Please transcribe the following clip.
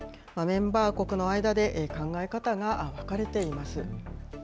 メンバー国の間で考え方が分かれています。